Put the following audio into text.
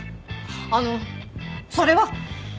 あのそれは。